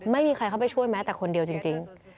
ไม่มีใครเข้าไปช่วยแม้แต่คนเดียวจริง